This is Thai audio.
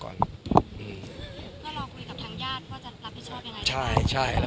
เพื่อรอคุยกับทางญาติว่าจะรับผิดชอบยังไง